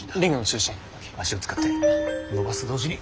足を使って伸ばすと同時に。